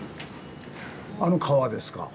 あの川ですか？